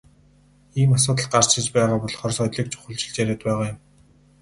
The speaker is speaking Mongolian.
Ийм асуудал гарч ирж байгаа болохоор соёлыг чухалчилж яриад байгаа юм.